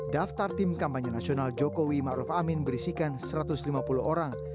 daftar tim kampanye nasional jokowi ⁇ maruf ⁇ amin berisikan satu ratus lima puluh orang